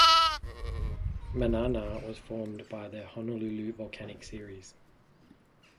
Manana was formed by the Honolulu Volcanic Series.